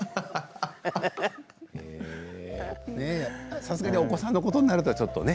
さすがにお子さんのことになるとね。